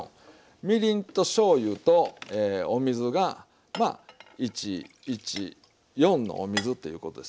みりんとしょうゆとお水がまあ１１４のお水ということです。